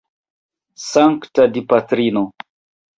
Sankta Dipatrino!